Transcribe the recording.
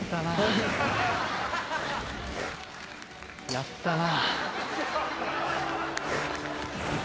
やったな。